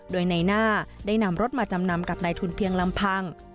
โดยในหน้าได้นำรถมาจำนำกับนายทุนเพียงลำพัง